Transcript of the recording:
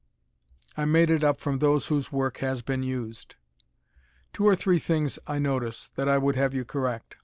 I made it up from those whose work has been used. Two or three things I notice, that I would have you correct.